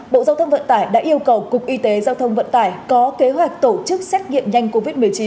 bộ giao thông vận tải đã yêu cầu cục y tế giao thông vận tải có kế hoạch tổ chức xét nghiệm nhanh covid một mươi chín